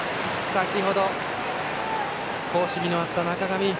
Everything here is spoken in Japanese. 先程、好守備のあった中上。